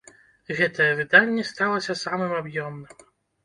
Гэтае выданне сталася самым аб'ёмным.